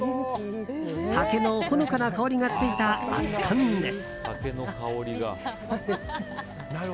竹のほのかな香りがついた熱燗です。